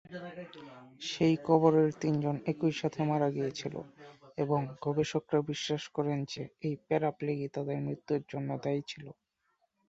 সেই কবরের তিনজন একই সাথে মারা গিয়েছিল এবং গবেষকরা বিশ্বাস করেন যে এই প্যারা-প্লেগই তাদের মৃত্যুর জন্য দায়ী ছিল।